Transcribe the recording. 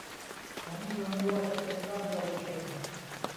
ของเมืองไม่ว่าจะเป็นด้านเยาวชน